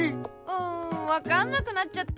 うんわかんなくなっちゃった。